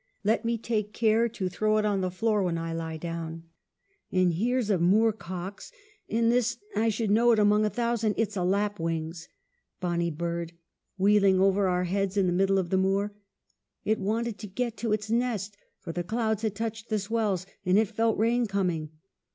Let me take care to throw it on the floor when I lie down. And here is a moorcock's ; and this — I should know it among a thousand — it's a lapwing's. Bonny bird ; wheeling over our heads in the middle of the moor. It wanted to get to its nest, for the clouds had touched the swells, and it felt rain coming.